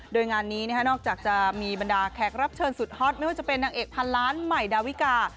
โดยงานนี้นอกจากจะมีบรรดาแขกรับเชิญสุดฮอตไม่ว่าจะเป็นนางเอกพันล้านใหม่ดาวิกา